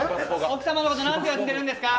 奥様のこと、何て呼んでるんですか？